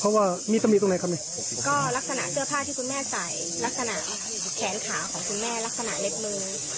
ก็ลักษณะเสื้อผ้าที่คุณแม่ใส่ลักษณะแขนขาของคุณแม่ลักษณะเล็กมือ